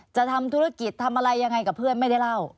จะทำธุรกิจทำอะไรยังไงกับเพื่อนไม่ได้เล่า